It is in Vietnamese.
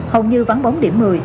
hầu như vắng bốn điểm một mươi